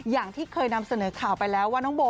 อย่างที่เคยนำเสนอข่าวไปแล้วว่าน้องโบ